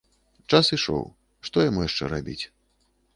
Час ішоў, што яму яшчэ рабіць.